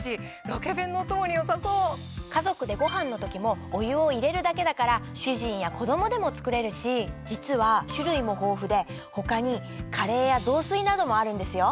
家族でご飯の時もお湯を入れるだけだから主人や子供でも作れるし実は種類も豊富で他にカレーや雑炊などもあるんですよ。